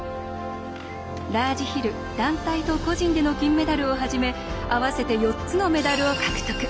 ラージヒル、団体と個人での金メダルをはじめ合わせて４つのメダルを獲得。